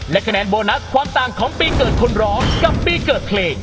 และคะแนนโบนัสความต่างของปีเกิดคนร้องกับปีเกิดเพลง